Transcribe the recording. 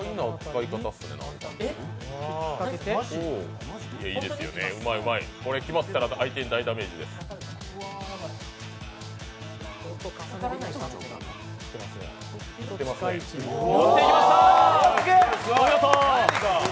いいですね、うまいうまい、これ決まったら相手に大ダメージです。乗っていきました、お見事。